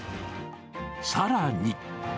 さらに。